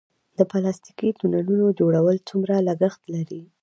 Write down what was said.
د پلاستیکي تونلونو جوړول څومره لګښت لري؟